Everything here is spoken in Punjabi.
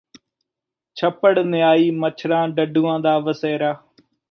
ਛੱਪੜ ਨਿਆਈ ਮੱਛਰਾਂ ਡੱਡੂਆਂ ਦਾ ਵਸੇਰਾ